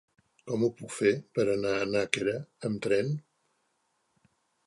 Com ho puc fer per anar a Nàquera amb tren?